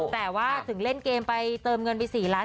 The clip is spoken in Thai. แต่ว่าถึงเล่นเกมไปเติมเงินไป๔ล้าน